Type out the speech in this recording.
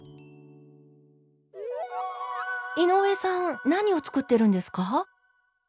井上さん何を作ってるんですか？